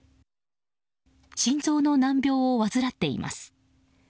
心臓の難病を患っています。